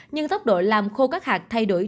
nhưng tốc độ làm khô các hạt thay đổi